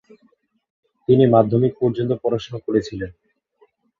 তিনি মাধ্যমিক পর্যন্ত পড়াশোনা করেছিলেন।